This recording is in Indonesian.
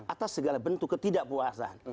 atas segala bentuk ketidakpuasan